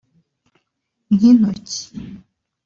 nk’intoki